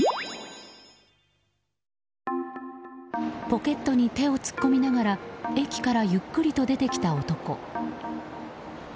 ポケットに手を突っ込みながら駅からゆっくりと出てきた男。